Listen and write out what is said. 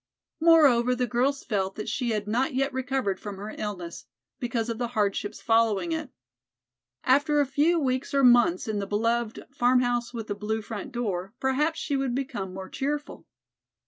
Moreover, the girls felt that she had not yet recovered from her illness, because of the hardships following it. After a few weeks or months in the beloved "Farmhouse with the Blue Front Door" perhaps she would become more cheerful.